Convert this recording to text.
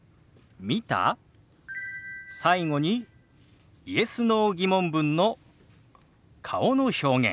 最後にＹｅｓ／Ｎｏ−疑問文の顔の表現。